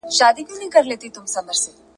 همېشه رڼې اوبه پکښي بهاندي !.